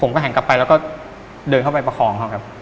ผมก็หันกลับไปแล้วก็เดินเข้าไปประคองเขา